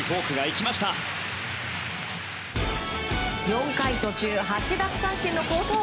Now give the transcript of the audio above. ４回途中８奪三振の好投。